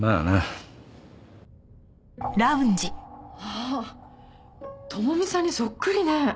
あっ朋美さんにそっくりね。